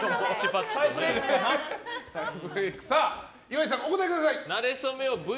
岩井さん、お答えください。